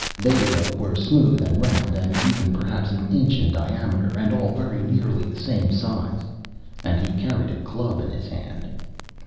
They, though, were smooth and round and even, perhaps an inch in diameter, and all very nearly the same size. And he carried a club in his hand.